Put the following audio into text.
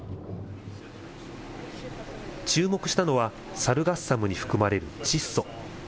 注目したのは、サルガッサムに含まれる窒素。